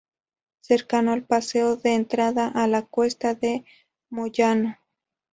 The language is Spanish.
Cercano al paseo da entrada a la cuesta de Moyano.